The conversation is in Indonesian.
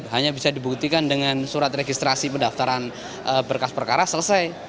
hanya bisa dibuktikan dengan surat registrasi pendaftaran berkas perkara selesai